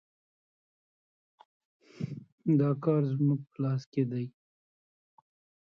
دا کار زموږ په لاس کې دی.